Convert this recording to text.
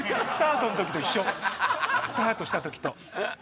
スタートした時と。